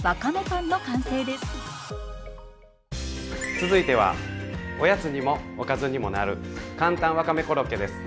続いてはおやつにもおかずにもなるかんたんわかめコロッケです。